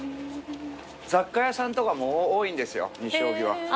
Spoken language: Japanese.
雑貨屋さんとかも多いんですよ西荻は。